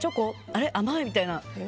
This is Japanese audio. あれ甘いみたいな。